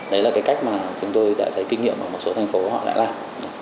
đấy là cái cách mà chúng tôi đã thấy kinh nghiệm ở một số thành phố họ đã làm